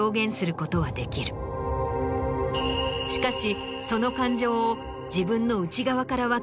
しかし。